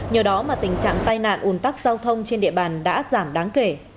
nhờ đó mà tình trạng tai nạn un tắc giao thông trên địa bàn đã giảm đáng kể